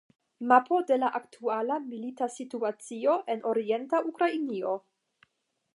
Mapo de la aktuala milita situacio en orienta Ukrainio.